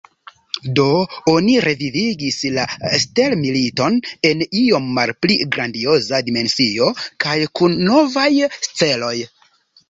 Do oni revivigis la stelmiliton, en iom malpli grandioza dimensio kaj kun novaj celoj.